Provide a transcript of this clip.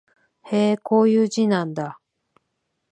へえ、こういう字なんだ